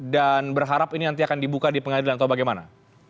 dan berharap ini nanti akan dibuka di pengadilan atau bagaimana